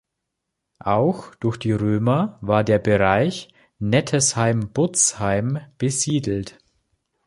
Auch durch die Römer war der Bereich Nettesheim-Butzheim besiedelt.